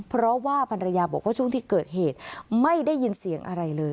เพราะว่าภรรยาบอกว่าช่วงที่เกิดเหตุไม่ได้ยินเสียงอะไรเลย